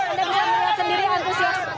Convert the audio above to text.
anda bisa melihat sendiri antusias